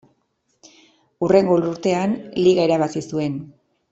Hurrengo urtean Liga irabazi zuen.